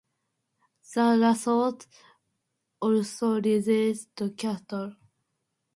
The Rasors also raised cattle.